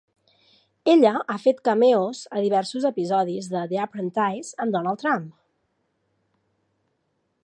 Ella ha fet cameos a diversos episodis de "The Apprentice" amb Donald Trump.